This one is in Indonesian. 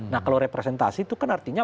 nah kalau representasi itu kan artinya